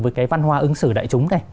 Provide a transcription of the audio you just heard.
với cái văn hóa ứng xử đại chúng này